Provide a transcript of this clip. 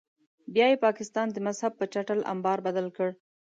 بیا یې پاکستان د مذهب په چټل امبار بدل کړ.